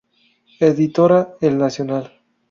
Editora El Nacional.